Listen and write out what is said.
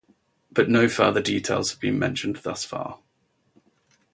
But no further details have been mentioned thus far.